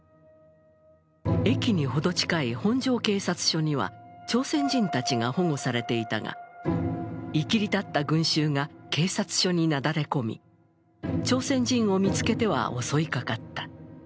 駅に程近い本庶警察署には朝鮮人たちが保護されていたが、いきり立った群衆が警察署になだれ込み朝鮮人を見つけては襲いかかった。